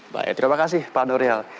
baik terima kasih pak nuril